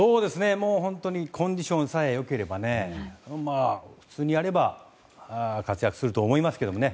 本当にコンディションさえ良ければ普通にやれば活躍すると思いますけどね。